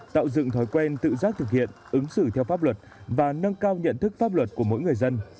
tạo dựng thói quen tự giác thực hiện ứng xử theo pháp luật và nâng cao nhận thức pháp luật của mỗi người dân